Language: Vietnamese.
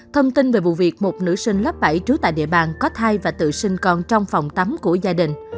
thông tin về vụ việc một nữ sinh lớp bảy trú tại địa bàn có thai và tự sinh con trong phòng tắm của gia đình